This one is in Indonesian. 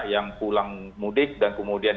yang pulang mudik dan kemudian